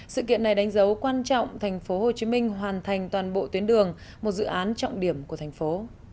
sự kiện này đánh dấu quan trọng tp hcm hoàn thành toàn bộ tuyến đường một dự án trọng điểm của thành phố